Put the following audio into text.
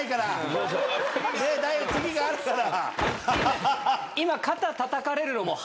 次があるから。